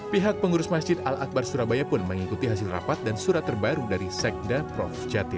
pihak pengurus masjid al akbar surabaya pun mengikuti hasil rapat dan surat terbaru dari sekda prof jatim